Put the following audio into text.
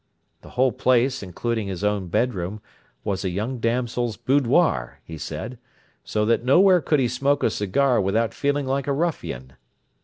The whole place, including his own bedroom, was a young damsel's boudoir, he said, so that nowhere could he smoke a cigar without feeling like a ruffian.